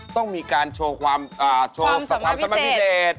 ต้องมีการโชว์ความสามารถพิเศษ